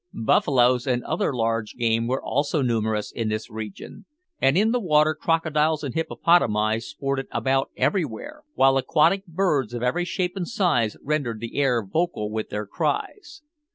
Buffaloes and other large game were also numerous in this region, and in the water crocodiles and hippopotami sported about everywhere, while aquatic birds of every shape and size rendered the air vocal with their cries.